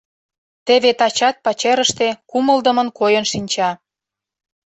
Теве тачат пачерыште кумылдымын койын шинча.